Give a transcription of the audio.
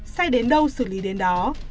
say đến đâu xử lý đến đó